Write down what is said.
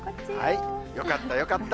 よかった、よかった。